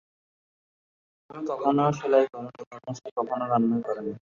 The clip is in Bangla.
কিন্তু তুমি কখনো সেলাই করোনি এবং সে কখনো রান্না করেনি।